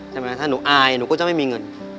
ใช่ไหมถ้าหนูอายหนูก็จะไม่มีเงิน